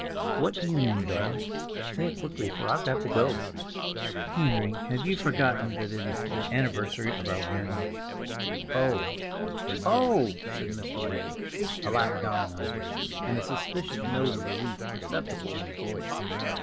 "What do you mean, Doll? Say it quickly, for I've got to go." "Henry, have you forgotten that it is the anniversary of our wedding?" "Oh—oh!" said Mr. Waring, a light dawning on him, and a suspicious note of relief perceptible in his voice.